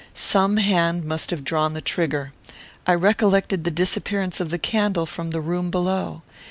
Some hand must have drawn the trigger. I recollected the disappearance of the candle from the room below.